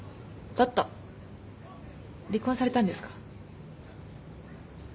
離婚されたんですか？